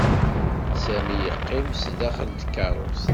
Sami yeqqim sdaxel tkeṛṛust.